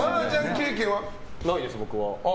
ないです、僕は。